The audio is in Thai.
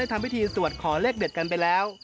ทำพิธีสวดขอเลขเด็ดกันไปแล้ว